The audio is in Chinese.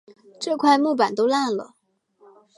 这块木板都烂了